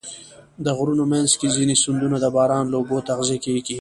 د غرونو منځ کې ځینې سیندونه د باران له اوبو تغذیه کېږي.